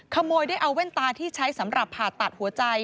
ขโมยได้เอาแว่นตาที่ใช้สำหรับผ่าตัดหัวใจ